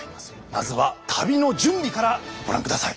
まずは旅の準備からご覧下さい。